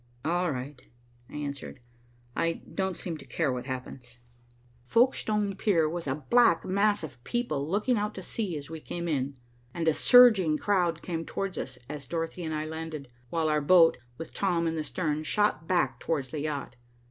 "All right," I answered. "I don't seem to care what happens." Folkestone Pier was a black mass of people looking out to sea as we came in, and a surging crowd came towards us, as Dorothy and I landed, while our boat, with Tom in the stern, shot back towards the yacht.